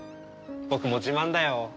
僕も自慢だよ。